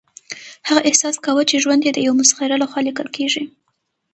هغه احساس کاوه چې ژوند یې د یو مسخره لخوا لیکل کیږي